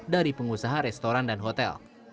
dari pengusaha restoran dan hotel